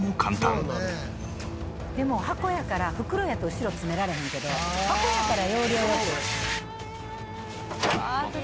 でも箱やから袋やと後ろ詰められへんけど箱やから要領良く。